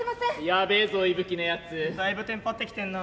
やべえぞいぶきのやつだいぶテンパってきてんな。